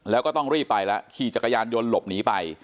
แล้วก็ต้องรีบไปแล้วขี่จักรยานยนต์หลบหนีไป